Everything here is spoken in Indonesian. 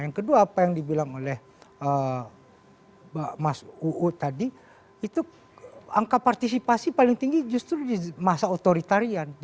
yang kedua apa yang dibilang oleh mas uu tadi itu angka partisipasi paling tinggi justru di masa otoritarian